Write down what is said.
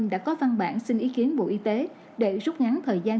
đã có văn bản xin ý kiến bộ y tế để rút ngắn thời gian